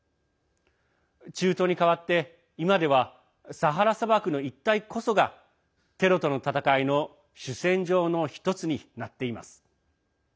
中東に代わって今ではサハラ砂漠の一帯こそがテロとの戦いの主戦場の１つになっています。